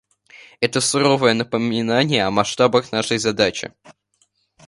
Это суровое напоминание о масштабах нашей задачи.